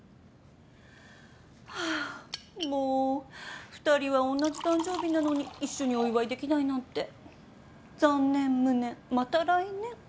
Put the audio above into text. ハァもう２人はおんなじ誕生日なのに一緒にお祝いできないなんて残念無念また来年。